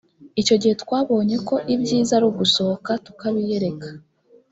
icyo gihe twabonye ko ibyiza ari ugusohoka tukabiyereka